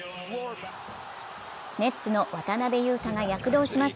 ネッツの渡邊雄太が躍動します。